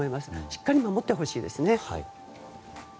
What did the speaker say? しっかり守ってほしいですね。